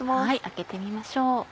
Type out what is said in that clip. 開けてみましょう。